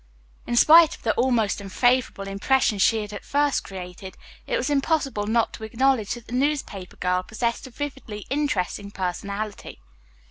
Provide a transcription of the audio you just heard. In spite of the almost unfavorable impression she had at first created, it was impossible not to acknowledge that the newspaper girl possessed a vividly interesting personality.